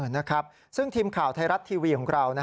นะครับซึ่งทีมข่าวไทยรัฐทีวีของเรา